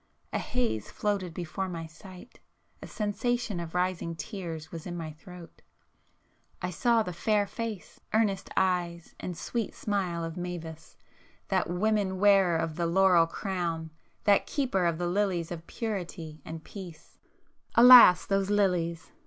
A haze floated before my sight,—a sensation of rising tears was in my throat,—I saw the fair face, earnest eyes, and sweet smile of Mavis,—that woman wearer of the laurel crown,—that keeper of the lilies of purity and peace. Alas, those lilies!